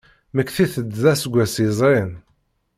Mmektit-d aseggas yezrin.